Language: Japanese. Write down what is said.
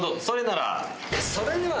それなら。